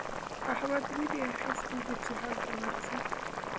احمد ويني اخيستی دی چې هلته ورځي.